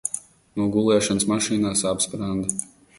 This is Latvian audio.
No gulēšanas mašīnā sāp spranda.